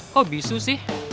kok bisu sih